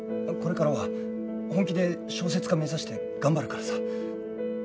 これからは本気で小説家目指して頑張るからさ。